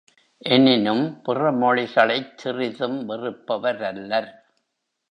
எனினும் பிறமொழிகளைச் சிறிதும் வெறுப்பவரல்லர்.